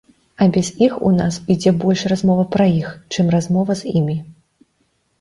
А без іх у нас ідзе больш размова пра іх, чым размова з імі.